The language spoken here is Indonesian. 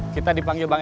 kita dipanggil bang edi